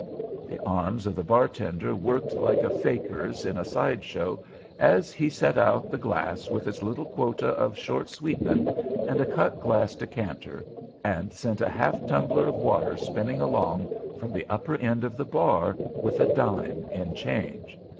The arms of the bartender worked like a faker's in a side show as he set out the glass with its little quota of "short sweetening" and a cut glass decanter, and sent a half tumbler of water spinning along from the upper end of the bar with a dime in change.